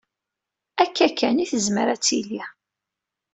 Akka kan, i tezmer ad tili.